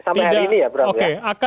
sampai hari ini ya